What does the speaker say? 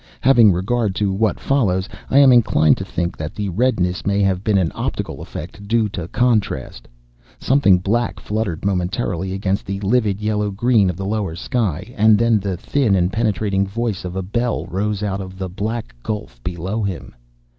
Having regard to what follows, I am inclined to think that that redness may have been an optical effect due to contrast. Something black fluttered momentarily against the livid yellow green of the lower sky, and then the thin and penetrating voice of a bell rose out of the black gulf below him.